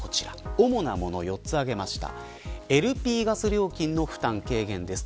主なものを４つ挙げました。